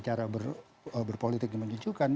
cara berpolitik yang menyejukkan